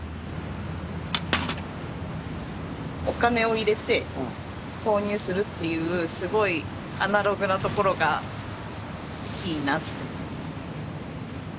・お金を入れて購入するっていうすごいアナログなところがいいなって。